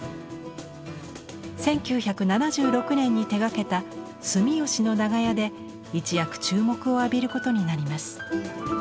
１９７６年に手がけた「住吉の長屋」で一躍注目を浴びることになります。